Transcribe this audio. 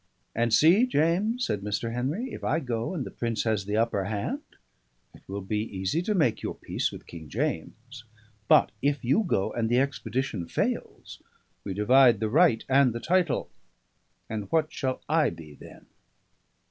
"And see, James," said Mr. Henry, "if I go, and the Prince has the upper hand, it will be easy to make your peace with King James. But if you go, and the expedition fails, we divide the right and the title. And what shall I be then?"